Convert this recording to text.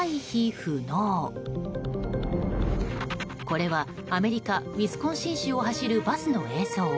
これはアメリカ・ウィスコンシン州を走るバスの映像。